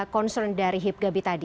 concern dari hibgabi tadi